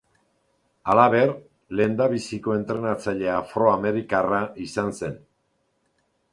Halaber, lehendabiziko entrenatzaile afroamerikarra izan zen.